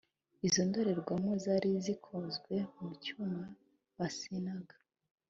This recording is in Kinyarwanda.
izo ndorerwamo zari zikozwe mu cyuma basenaga